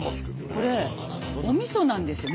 これお味噌なんですよ。